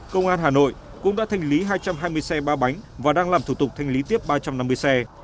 công an hà nội cũng đã thanh lý hai trăm hai mươi xe ba bánh và đang làm thủ tục thanh lý tiếp ba trăm năm mươi xe